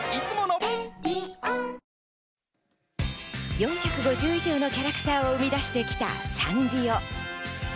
４５０以上のキャラクターを生み出してきたサンリオ。